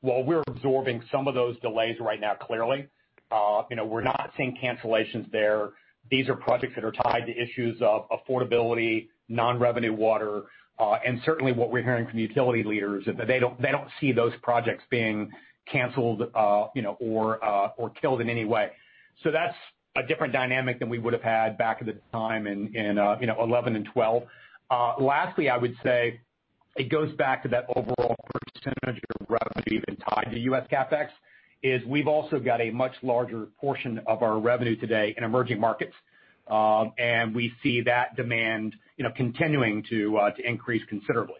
While we're absorbing some of those delays right now clearly, we're not seeing cancellations there. These are projects that are tied to issues of affordability, non-revenue water, and certainly what we're hearing from utility leaders, they don't see those projects being canceled or killed in any way. That's a different dynamic than we would have had back at the time in 2011 and 2012. Lastly, I would say it goes back to that overall percentage of revenue even tied to U.S. CapEx is we've also got a much larger portion of our revenue today in emerging markets. We see that demand continuing to increase considerably.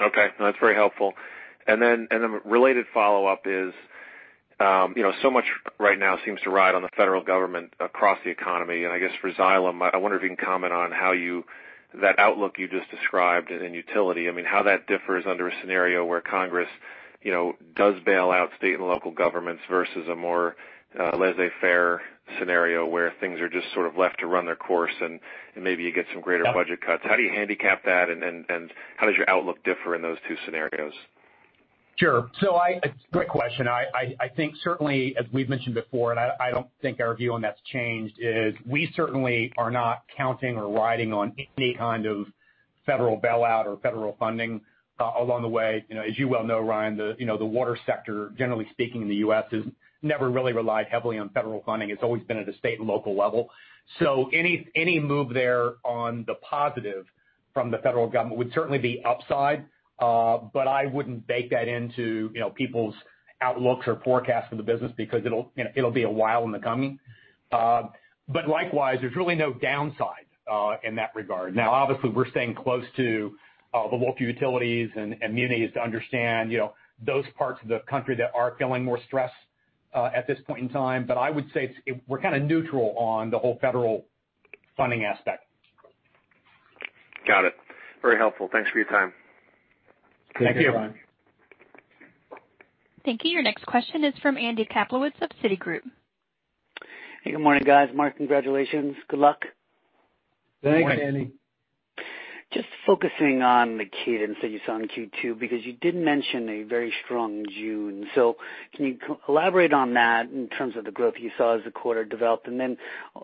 Okay. No, that's very helpful. A related follow-up is so much right now seems to ride on the federal government across the economy. I guess for Xylem, I wonder if you can comment on how that outlook you just described in utility, how that differs under a scenario where Congress does bail out state and local governments versus a more laissez-faire scenario where things are just sort of left to run their course and maybe you get some greater budget cuts. How do you handicap that, and how does your outlook differ in those two scenarios? Sure. Great question. I think certainly, as we've mentioned before, I don't think our view on that's changed, is we certainly are not counting or riding on any kind of Federal bailout or Federal funding along the way. As you well know, Ryan, the water sector, generally speaking in the U.S., has never really relied heavily on Federal funding. It's always been at a state and local level. Any move there on the positive from the Federal government would certainly be upside. I wouldn't bake that into people's outlooks or forecasts for the business because it'll be a while in the coming. Likewise, there's really no downside in that regard. Obviously, we're staying close to the local utilities and munis to understand those parts of the country that are feeling more stressed at this point in time. I would say we're kind of neutral on the whole federal funding aspect. Got it. Very helpful. Thanks for your time. Thank you, Ryan. Thank you. Your next question is from Andy Kaplowitz of Citigroup. Hey, good morning, guys. Mark, congratulations. Good luck. Thanks, Andy. Just focusing on the cadence that you saw in Q2, because you did mention a very strong June. Can you elaborate on that in terms of the growth you saw as the quarter developed,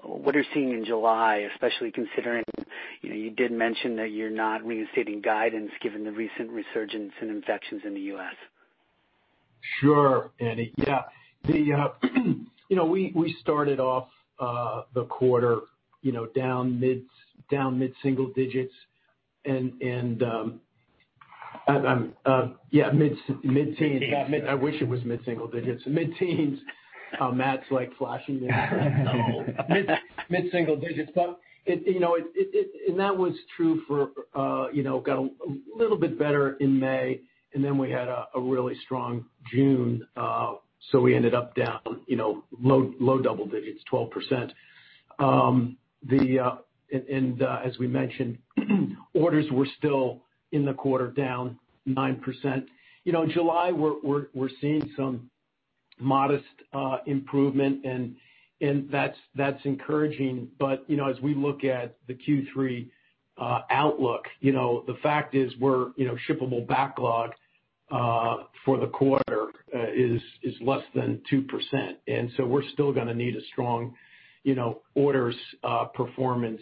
what are you seeing in July, especially considering, you did mention that you're not reinstating guidance given the recent resurgence in infections in the U.S.? Sure, Andy. Yeah. We started off the quarter down mid-single digits. I wish it was mid-single digits. Mid-teens. Matt's like flashing me. Mid-single digits. That was true for, got a little bit better in May, and then we had a really strong June, so we ended up down low double digits, 12%. As we mentioned, orders were still in the quarter down 9%. In July, we're seeing some modest improvement and that's encouraging. As we look at the Q3 outlook, the fact is we're shippable backlog for the quarter is less than 2%. We're still going to need a strong orders performance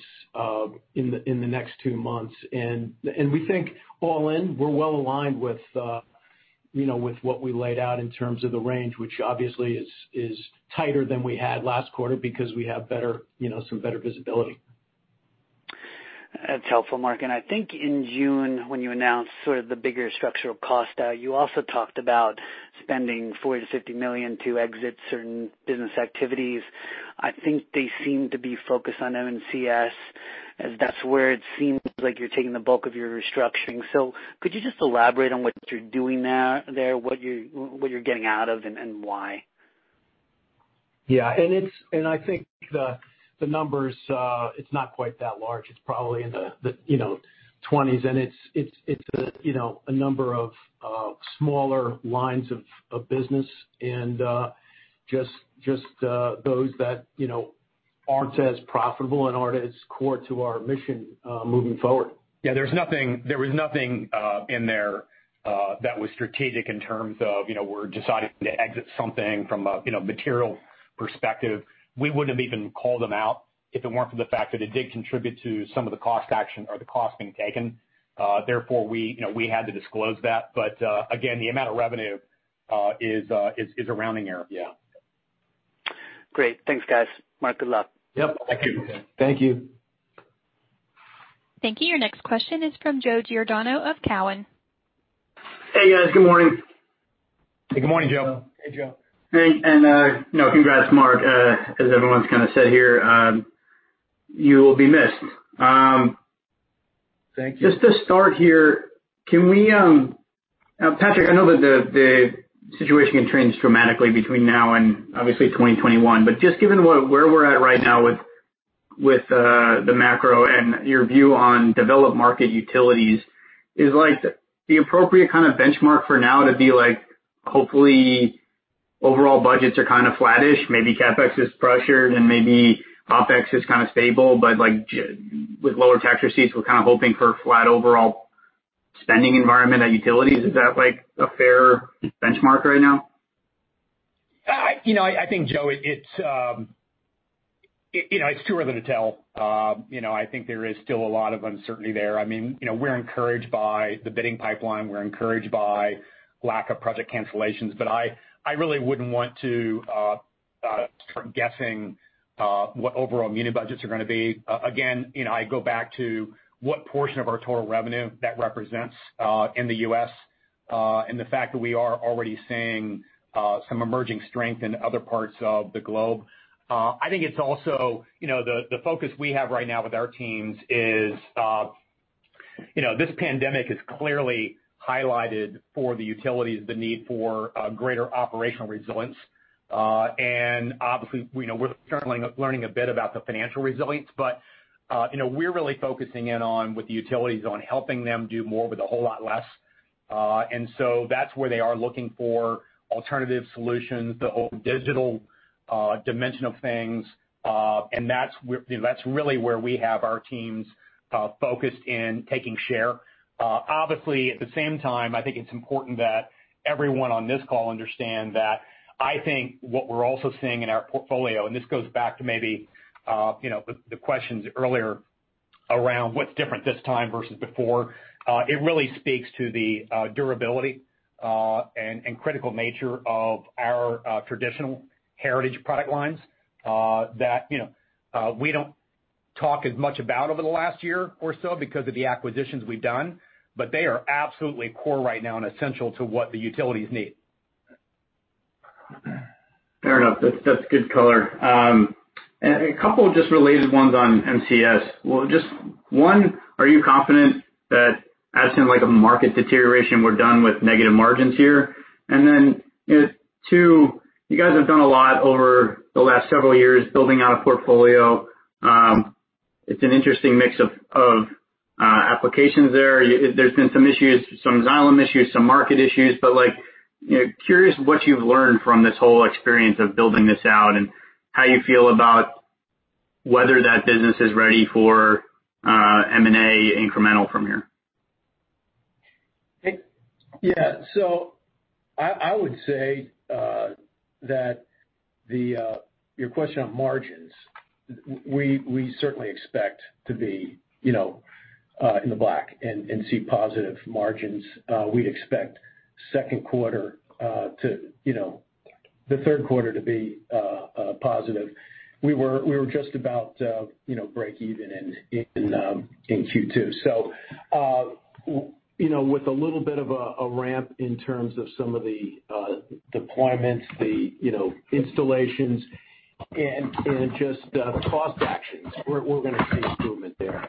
in the next two months. We think all in, we're well aligned with what we laid out in terms of the range, which obviously is tighter than we had last quarter because we have some better visibility. That's helpful, Mark. I think in June when you announced sort of the bigger structural cost out, you also talked about spending $40 million-$50 million to exit certain business activities. I think they seem to be focused on MCS, as that's where it seems like you're taking the bulk of your restructuring. Could you just elaborate on what you're doing there, what you're getting out of, and why? Yeah. I think the numbers, it's not quite that large. It's probably in the 20s and it's a number of smaller lines of business and just those that aren't as profitable and aren't as core to our mission moving forward. Yeah, there was nothing in there that was strategic in terms of we're deciding to exit something from a material perspective. We wouldn't have even called them out if it weren't for the fact that it did contribute to some of the cost action or the cost being taken. Therefore, we had to disclose that. Again, the amount of revenue is a rounding error. Yeah. Great. Thanks, guys. Mark, good luck. Yep. Thank you. Thank you. Thank you. Your next question is from Joe Giordano of Cowen. Hey, guys. Good morning. Good morning, Joe. Hey, Joe. Congrats, Mark. As everyone's kind of said here, you will be missed. Thank you. Just to start here, Patrick, I know that the situation can change dramatically between now and obviously 2021, just given where we're at right now with the macro and your view on developed market utilities, is the appropriate kind of benchmark for now to be hopefully overall budgets are kind of flattish, maybe CapEx is pressured and maybe OpEx is kind of stable, with lower tax receipts, we're kind of hoping for flat overall spending environment at utilities. Is that a fair benchmark right now? I think Joe, it's too early to tell. I think there is still a lot of uncertainty there. We're encouraged by the bidding pipeline. We're encouraged by lack of project cancellations, I really wouldn't want to start guessing what overall muni budgets are going to be. Again, I go back to what portion of our total revenue that represents in the U.S., and the fact that we are already seeing some emerging strength in other parts of the globe. I think it's also, the focus we have right now with our teams is this pandemic has clearly highlighted for the utilities, the need for greater operational resilience. Obviously, we're currently learning a bit about the financial resilience, but we're really focusing in on, with the utilities on helping them do more with a whole lot less. That's where they are looking for alternative solutions, the whole digital dimension of things. That's really where we have our teams focused in taking share. Obviously, at the same time, I think it's important that everyone on this call understand that I think what we're also seeing in our portfolio, and this goes back to maybe the questions earlier around what's different this time versus before. It really speaks to the durability and critical nature of our traditional heritage product lines, that we don't talk as much about over the last one year or so because of the acquisitions we've done, but they are absolutely core right now and essential to what the utilities need. Fair enough. That's good color. A couple of just related ones on MCS. Well, just one, are you confident that as in like a market deterioration, we're done with negative margins here? Then two, you guys have done a lot over the last several years building out a portfolio. It's an interesting mix of applications there. There's been some issues, some Xylem issues, some market issues, but curious what you've learned from this whole experience of building this out and how you feel about whether that business is ready for M&A incremental from here. Yeah. I would say that your question on margins, we certainly expect to be in the black and see positive margins. We'd expect the third quarter to be positive. We were just about breakeven in Q2. With a little bit of a ramp in terms of some of the deployments, the installations and just cost actions, we're going to see improvement there.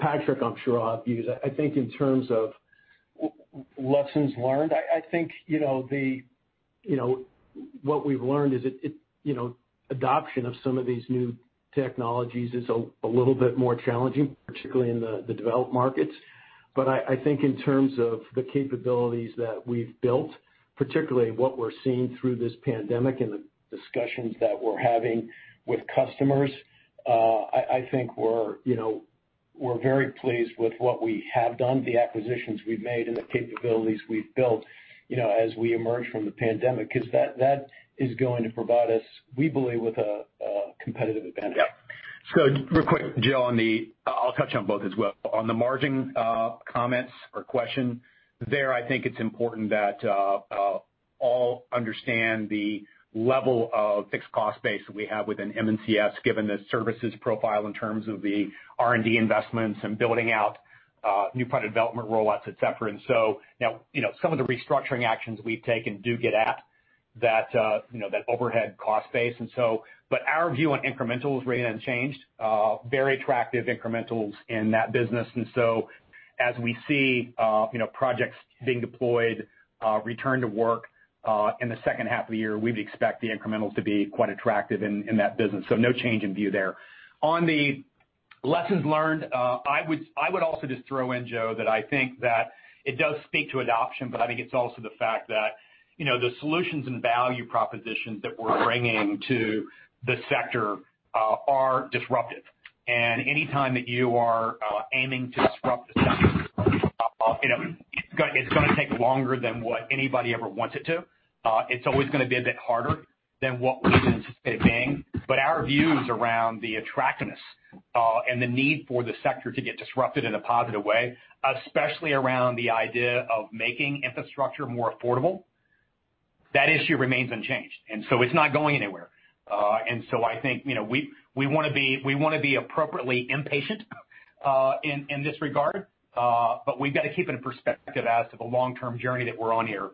Patrick, I'm sure will allude. I think in terms of lessons learned, I think what we've learned is adoption of some of these new technologies is a little bit more challenging, particularly in the developed markets. I think in terms of the capabilities that we've built, particularly what we're seeing through this pandemic and the discussions that we're having with customers, I think we're very pleased with what we have done, the acquisitions we've made and the capabilities we've built as we emerge from the pandemic, because that is going to provide us, we believe, with a competitive advantage. Yeah. Real quick, Joe, I'll touch on both as well. On the margin comments or question, there, I think it's important that all understand the level of fixed cost base that we have within MCS, given the services profile in terms of the R&D investments and building out new product development rollouts, et cetera. Now, some of the restructuring actions we've taken do get at that overhead cost base. Our view on incremental has remained unchanged. Very attractive incrementals in that business. As we see projects being deployed, return to work in the second half of the year, we'd expect the incrementals to be quite attractive in that business. No change in view there. On the lessons learned, I would also just throw in, Joe, that I think that it does speak to adoption, but I think it's also the fact that the solutions and value propositions that we're bringing to the sector are disruptive. Any time that you are aiming to disrupt the sector, it's going to take longer than what anybody ever wants it to. It's always going to be a bit harder than what we had anticipated it being. Our views around the attractiveness and the need for the sector to get disrupted in a positive way, especially around the idea of making infrastructure more affordable, that issue remains unchanged. It's not going anywhere. I think we want to be appropriately impatient in this regard. We've got to keep it in perspective as to the long-term journey that we're on here.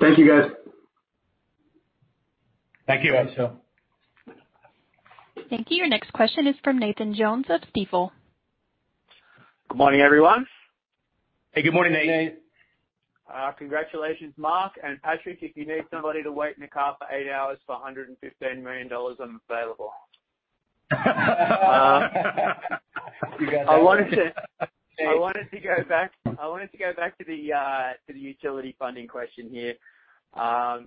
Thank you, guys. Thank you, Joe. Thank you. Your next question is from Nathan Jones of Stifel. Good morning, everyone. Hey, good morning, Nate. Hey, Nate. Congratulations, Mark and Patrick. If you need somebody to wait in the car for eight hours for $115 million, I'm available. You got it. I wanted to go back to the utility funding question here. A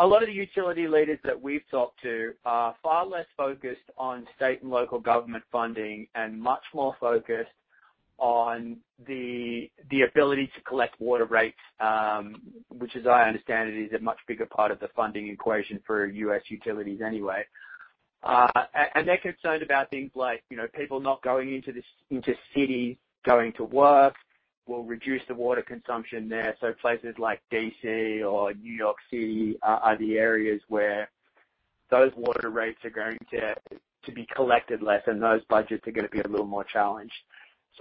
lot of the utility leaders that we've talked to are far less focused on state and local government funding and much more focused on the ability to collect water rates, which, as I understand it, is a much bigger part of the funding equation for U.S. utilities anyway. They're concerned about things like people not going into city, going to work, will reduce the water consumption there. Places like D.C. or New York City are the areas where those water rates are going to be collected less, and those budgets are going to be a little more challenged.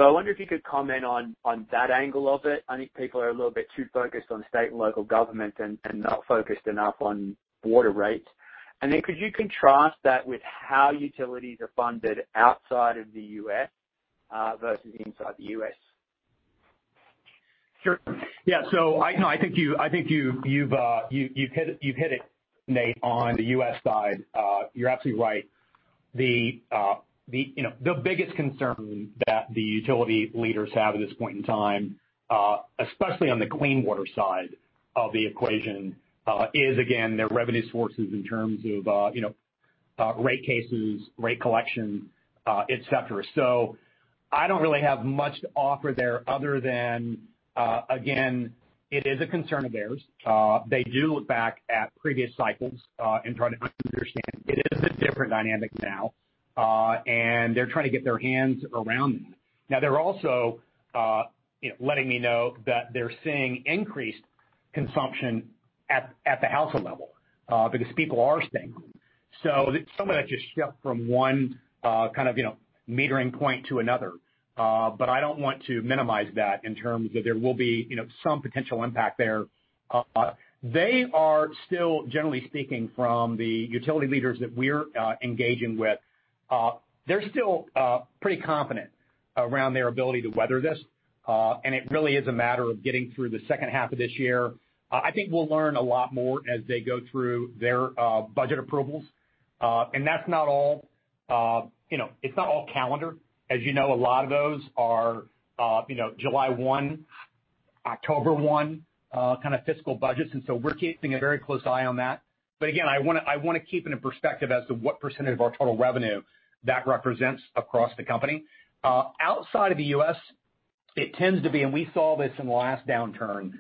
I wonder if you could comment on that angle of it. I think people are a little bit too focused on state and local government and not focused enough on water rates. Could you contrast that with how utilities are funded outside of the U.S. versus inside the U.S.? Sure. Yeah. I think you've hit it, Nate, on the U.S. side. You're absolutely right. The biggest concern that the utility leaders have at this point in time, especially on the clean water side of the equation, is, again, their revenue sources in terms of rate cases, rate collection, et cetera. I don't really have much to offer there other than, again, it is a concern of theirs. They do look back at previous cycles and try to understand. It is a different dynamic now, and they're trying to get their hands around that. Now, they're also letting me know that they're seeing increased consumption at the household level because people are staying home. Some of that just shift from one kind of metering point to another. I don't want to minimize that in terms that there will be some potential impact there. They are still, generally speaking, from the utility leaders that we're engaging with, they're still pretty confident around their ability to weather this. It really is a matter of getting through the second half of this year. I think we'll learn a lot more as they go through their budget approvals. That's not all calendar. As you know, a lot of those are July 1, October 1 kind of fiscal budgets, and so we're keeping a very close eye on that. Again, I want to keep it in perspective as to what percentage of our total revenue that represents across the company. Outside of the U.S., it tends to be, and we saw this in the last downturn,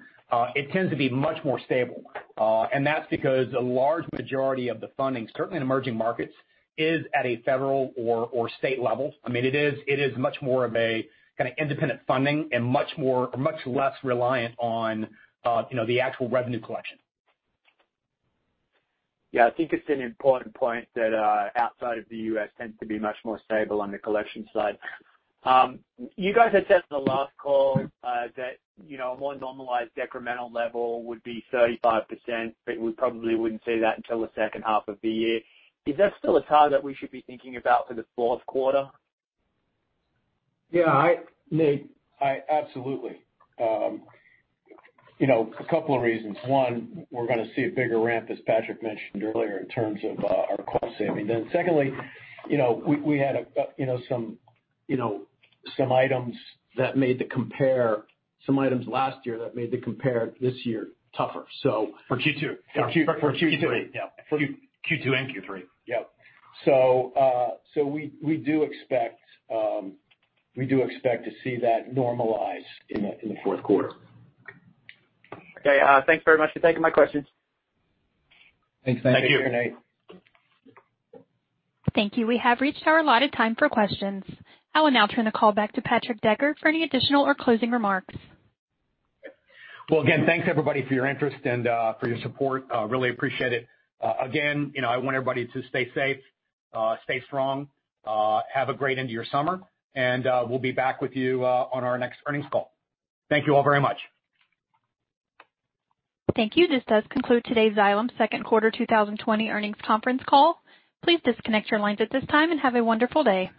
it tends to be much more stable. That's because a large majority of the funding, certainly in emerging markets, is at a federal or state level. It is much more of a kind of independent funding and much less reliant on the actual revenue collection. Yeah, I think it's an important point that outside of the U.S. tends to be much more stable on the collection side. You guys had said in the last call that a more normalized decremental level would be 35%, but we probably wouldn't see that until the second half of the year. Is that still a target we should be thinking about for the fourth quarter? Yeah. Nate, absolutely. A couple of reasons. One, we're going to see a bigger ramp, as Patrick mentioned earlier, in terms of our cost-saving. Secondly, we had some items last year that made the compare this year tougher. For Q2. For Q3. Q2 and Q3. Yep. We do expect to see that normalize in the fourth quarter. Okay. Thanks very much for taking my questions. Thanks, Nate. Thank you. Thank you. We have reached our allotted time for questions. I will now turn the call back to Patrick Decker for any additional or closing remarks. Well, again, thanks everybody for your interest and for your support. Really appreciate it. Again, I want everybody to stay safe, stay strong, have a great end of your summer, we'll be back with you on our next earnings call. Thank you all very much. Thank you. This does conclude today's Xylem second quarter 2020 earnings conference call. Please disconnect your lines at this time and have a wonderful day.